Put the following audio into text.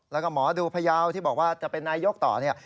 แล้วก็หมอดูพยาวที่บอกว่าจะเป็นนายกต่อเนี่ย